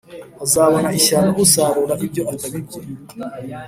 Hazabona ishyano usarura ibyo atabibye